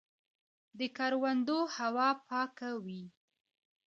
د کروندو هوا پاکه وي.